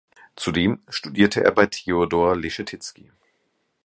Zudem studierte er bei Theodor Leschetizky.